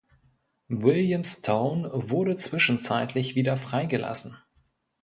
William Stone wurde zwischenzeitlich wieder freigelassen.